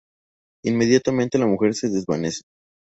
Inmediatamente la mujer se desvanece.